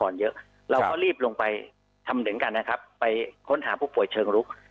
เราก็รีบลงไปทำเหมือนกันนะครับไปค้นหาผู้ป่วยเชิงรุก